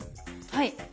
はい。